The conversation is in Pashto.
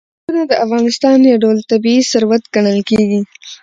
تالابونه د افغانستان یو ډول طبیعي ثروت ګڼل کېږي.